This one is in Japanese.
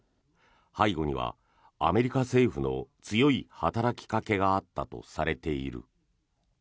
背後にはアメリカ政府の強い働きかけがあったとされている。